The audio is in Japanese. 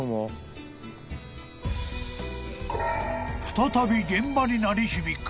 ［再び現場に鳴り響く］